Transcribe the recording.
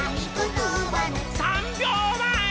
３びょうまえ。